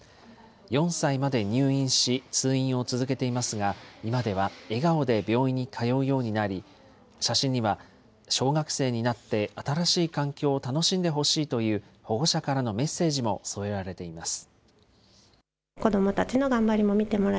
４歳まで入院し、通院を続けていますが、今では笑顔で病院に通うようになり、写真には小学生になって新しい環境を楽しんでほしいという、保護者からのメッセージも添えられています。